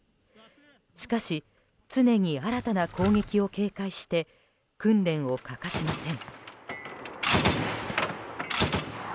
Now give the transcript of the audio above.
しかし常に新たな攻撃を警戒して訓練を欠かしません。